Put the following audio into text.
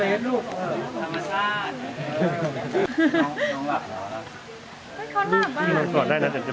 เออเออเออไม่ได้ต้องห่วงเวลาเสร็จ